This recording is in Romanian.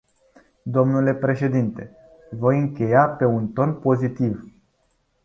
Domnule președinte, voi încheia pe un ton pozitiv.